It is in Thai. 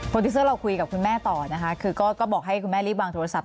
ดิวเซอร์เราคุยกับคุณแม่ต่อนะคะคือก็บอกให้คุณแม่รีบวางโทรศัพ